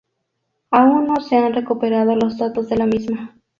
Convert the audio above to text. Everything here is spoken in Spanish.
Aún no se han recuperado los datos de la misma.